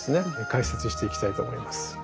解説していきたいと思います。